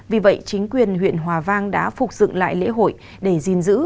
vì vậy chính quyền huyện hòa vang đã phục dựng lại lễ hội để gìn giữ